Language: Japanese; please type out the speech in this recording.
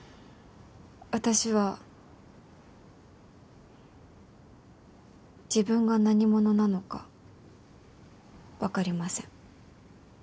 私は自分が何者なのかわかりません。